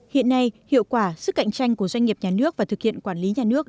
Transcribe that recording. hiện nay hiệu quả sức cạnh tranh của doanh nghiệp nhà nước và thực hiện quản lý nhà nước